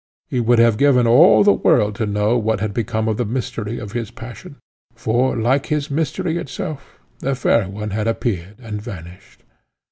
He would have given all the world to know what had become of the mystery of his passion; for, like this mystery itself, the fair one had appeared and vanished.